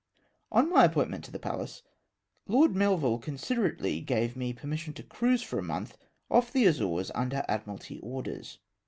On my appointment to the Pallas, Lord Melville con siderately gave me permission to cruise for a month off the Azores under Admiralty orders.